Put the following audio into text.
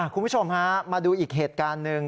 คุณผู้ชมฮะมาดูอีกเหตุการณ์หนึ่ง